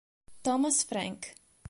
Thomas Frank